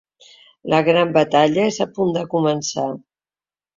La gran batalla és a punt de començar!